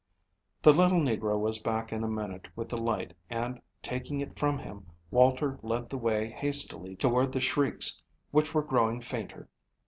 The little negro was back in a minute with the light and, taking it from him, Walter led the way hastily toward the shrieks which were growing fainter.